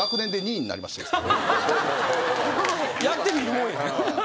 やってみるもんやな。